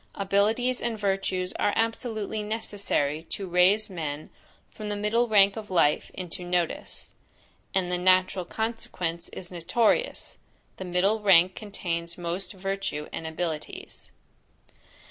Abilities and virtues are absolutely necessary to raise men from the middle rank of life into notice; and the natural consequence is notorious, the middle rank contains most virtue and abilities.